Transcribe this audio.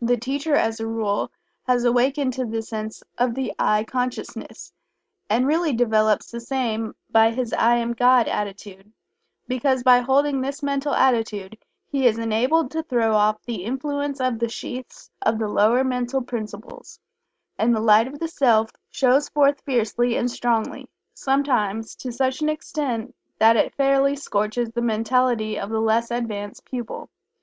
The teacher, as a rule, has awakened to a sense of the "I" consciousness, and really develops the same by his "I Am God" attitude, because by holding this mental attitude he is enabled to throw off the influence of the sheaths of the lower mental principles, and the light of the Self shows forth fiercely and strongly, sometimes to such an extent that it fairly scorches the mentality of the less advanced pupil.